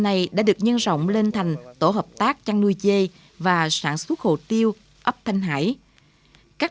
này đã được nhân rộng lên thành tổ hợp tác chăn nuôi dê và sản xuất hồ tiêu ấp thanh hải các